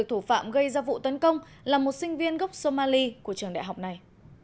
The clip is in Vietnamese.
thủ phạm gây ra vụ tấn công là một sinh viên gốc somali của trường đại học này